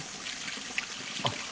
あっ！